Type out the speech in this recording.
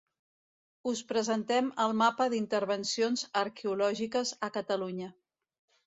Us presentem el mapa d'intervencions arqueològiques a Catalunya.